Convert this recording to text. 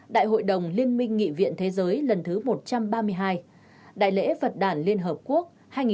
đại hội đồng liên minh nghị viện thế giới lần thứ một trăm ba mươi hai đại lễ phật đảng liên hợp quốc hai nghìn tám hai nghìn một mươi bốn